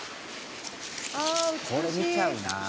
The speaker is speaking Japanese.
「これ見ちゃうなあ」